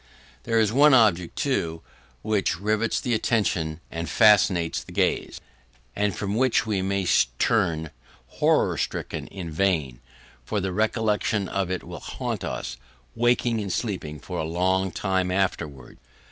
There is one object, too, which rivets the attention and fascinates the gaze, and from which we may turn horror stricken in vain, for the recollection of it will haunt us, waking and sleeping, for a long time afterwards.